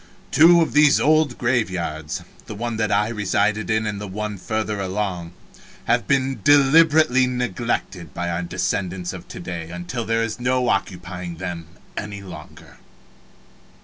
Two of these old graveyards the one that I resided in and one further along have been deliberately neglected by our descendants of to day until there is no occupying them any longer.